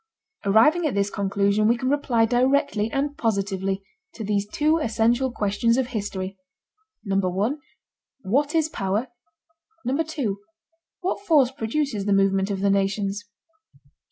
Arriving at this conclusion we can reply directly and positively to these two essential questions of history: (1) What is power? (2) What force produces the movement of the nations?